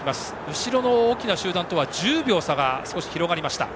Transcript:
後ろの大きな集団とは１０秒、差が広がりました。